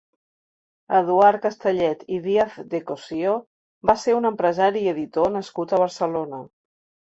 Eduard Castellet i Díaz de Cossío va ser un empresari i editor nascut a Barcelona.